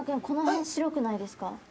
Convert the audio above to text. この辺白くないですか。